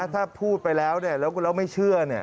ถ้าพูดไปแล้วแล้วคุณแล้วไม่เชื่อ